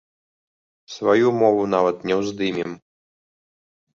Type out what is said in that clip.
Сваю мову нават не ўздымем.